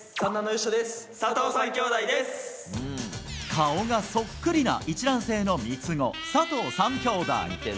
顔がそっくりな一卵性の三つ子、佐藤三兄弟。